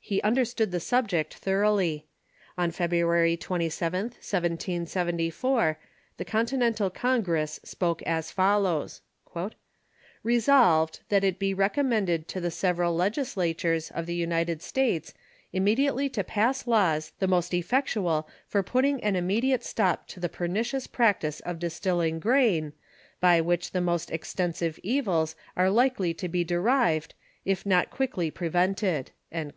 He understood the subject thoroughly. On February 27th, 1 774, the Continental Congress spoke as follows :''' Hesolved, that it be recommended to the several legisla tures of the United States immediately to pass laws the most effectual for putting an immediate stop to the pernicious prac tice of distilling grain, by which the most extensive evils are likely to be derived, if not quickly prevented."